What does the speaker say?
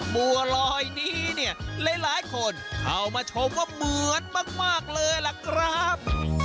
บัวลอยนี้เนี่ยหลายคนเข้ามาชมว่าเหมือนมากเลยล่ะครับ